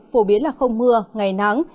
phổ biến là không mưa ngày nắng